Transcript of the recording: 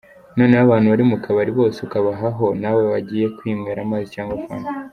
Noneho abantu bari mu kabari bose ukabahaho, nawe wagiye kwinywera amazi cyangwa fanta…”.